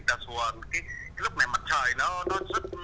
và lúc này là các em